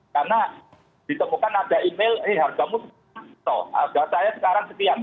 karena ditemukan ada email eh harga mu harga saya sekarang sekian